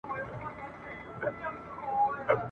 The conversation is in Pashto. ژوند سرود ..